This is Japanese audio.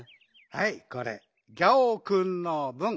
はいこれギャオくんのぶん。